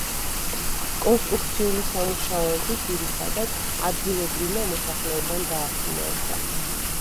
კონსტრუქციული სამუშაოები, ძირითადად, ადგილობრივმა მოსახლეობამ დააფინანსა.